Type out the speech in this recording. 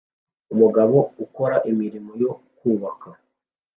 Umugabo ukora imirimo yo kubaka